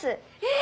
え！？